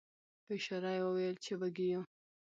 په اشاره یې وویل چې وږي یو.